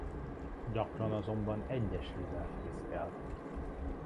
Gyakran azonban egyesével fészkel.